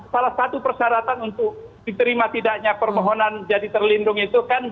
salah satu persyaratan untuk diterima tidaknya permohonan jadi terlindung itu kan